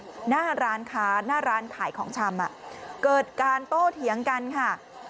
หน้าร้านค้าหน้าร้านขายของชำเกิดการโต้เถียงกันค่ะ